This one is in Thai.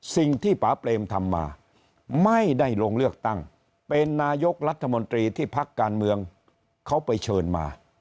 ป่าเปรมทำมาไม่ได้ลงเลือกตั้งเป็นนายกรัฐมนตรีที่พักการเมืองเขาไปเชิญมา